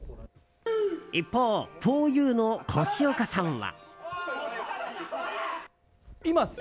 一方、ふぉゆの越岡さんは。